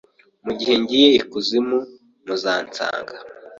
Mugihe ngiye ikuzimu muzansanga